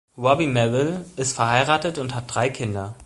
Robbie Merrill ist verheiratet und hat drei Kinder.